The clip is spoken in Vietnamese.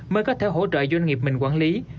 mới có thể hỗ trợ doanh nghiệp mình quản lý